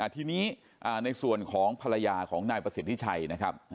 ทีนี้ในส่วนของภรรยาของนายประสิทธิชัยนะครับ